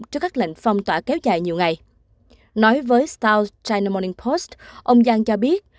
nói với south china morning post ông yang cho biết